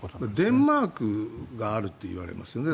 デンマークがあるといわれますよね。